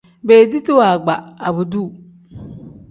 Beediti waagba abduu.